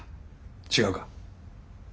違うか？